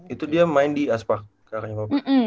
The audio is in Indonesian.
itu dia main di aspak kakaknya papa